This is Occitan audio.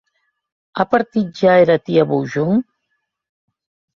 A partit ja era tia Bougon?